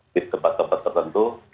di tempat tempat tertentu